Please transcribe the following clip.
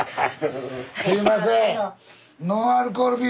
すいません